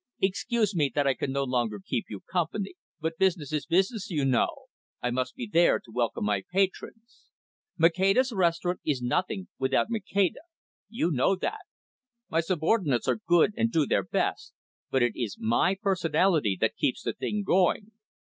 "Excuse me that I can no longer keep you company. But business is business, you know. I must be there to welcome my patrons. Maceda's restaurant is nothing without Maceda. You know that. My subordinates are good, and do their best, but it is my personality that keeps the thing going.